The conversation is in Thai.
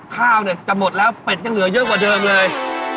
ข้าวเนี่ยจะหมดแล้วเป็ดยังเหลือเยอะกว่าเดิมเลย